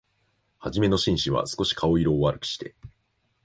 はじめの紳士は、すこし顔色を悪くして、